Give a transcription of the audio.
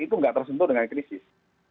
itu nggak tersentuh dengan krisis